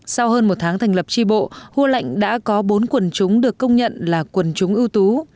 sau hơn một tháng thành lập tri bộ hua lệnh đã có bốn quần chúng được công nhận là quần chúng ưu tú